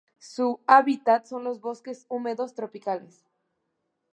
Su hábitat son los bosques húmedos tropicales.